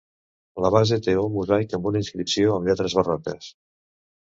La base té un mosaic amb una inscripció amb lletres barroques.